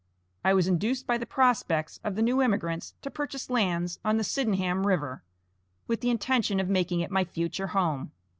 I was induced by the prospects of the new emigrants to purchase lands on the Sydenham River, with the intention of making it my future home.